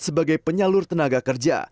sebagai penyalur tenaga kerja